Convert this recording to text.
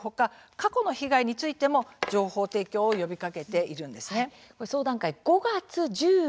過去の被害についても情報提供を呼びかけているんです。